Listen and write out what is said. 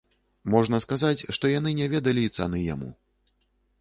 Можна сказаць, што яны не ведалі і цаны яму.